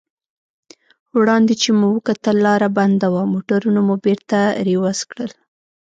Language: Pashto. وړاندې چې مو وکتل لار بنده وه، موټرونه مو بېرته رېورس کړل.